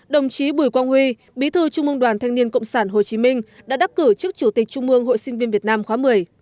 đồng chí bùi quang huy bí thư trung mương đoàn thanh niên cộng sản hồ chí minh đã đắc cử chức chủ tịch trung mương hội sinh viên việt nam khóa một mươi